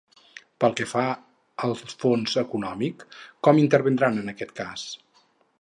Pel que fa al fons econòmic, com intervindran en aquest cas?